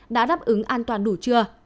đã đáp ứng an toàn đủ chưa